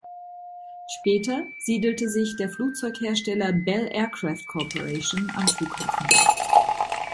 Später siedelte sich der Flugzeughersteller Bell Aircraft Corporation am Flughafen an.